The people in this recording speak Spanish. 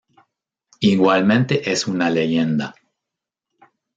Igualmente es una leyenda.